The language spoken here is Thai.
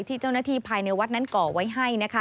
ที่เจ้าหน้าที่ภายในวัดนั้นก่อไว้ให้